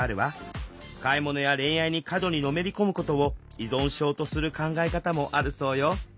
買い物や恋愛に過度にのめり込むことを依存症とする考え方もあるそうよ。